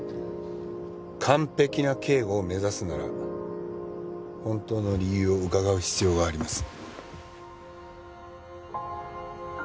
完璧な警護を目指すなら本当の理由を伺う必要があります。